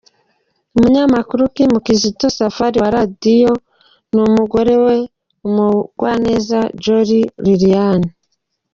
Umunyamakuru Kim Kizito Safari wa Radio n’umugore we Umugwaneza Joie Liliane.